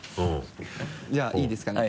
じゃあいいですかね？